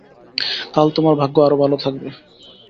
কাল তোমার ভাগ্য আরও ভালো থাকবে।